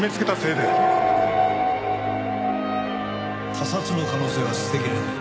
他殺の可能性は捨てきれない。